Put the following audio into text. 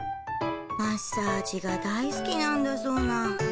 マッサージが大好きなんだそうな。